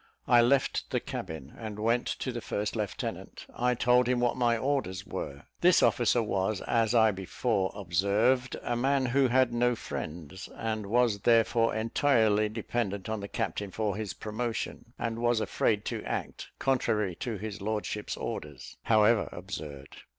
I left the cabin, and went to the first lieutenant. I told him what my orders were. This officer was, as I before observed, a man who had no friends, and was therefore entirely dependent on the captain for his promotion, and was afraid to act contrary to his lordship's orders, however absurd.